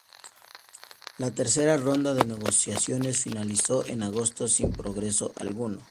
La tercera ronda de negociaciones finalizó en agosto sin progreso alguno.